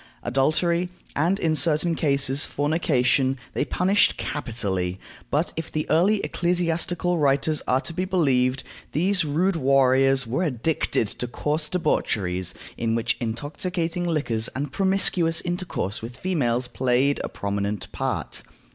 Adultery, and, in certain cases, fornication, they punished capitally; but, if the early ecclesiastical writers are to be believed, these rude warriors were addicted to coarse debaucheries, in which intoxicating liquors and promiscuous intercourse with females played a prominent part.